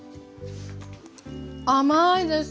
甘いです。